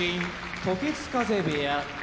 時津風部屋